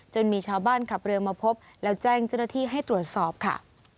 มีชาวบ้านขับเรือมาพบแล้วแจ้งเจ้าหน้าที่ให้ตรวจสอบค่ะ